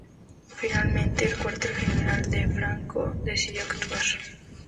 Finalmente, el Cuartel General de Franco decidió actuar.